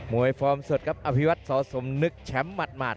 มวยฟอร์มสดอภิวัตย์สสมนึกแชมป์หมัด